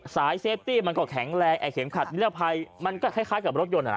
สายเซฟตี้มันก็แข็งแรงแข็งขัดนิรัพย์มันก็คล้ายกับรถยนต์อะ